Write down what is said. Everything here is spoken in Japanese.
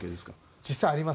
実際あります。